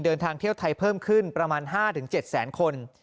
เดินทางเที่ยวไทยเพิ่มขึ้นประมาณ๕๗แสนคน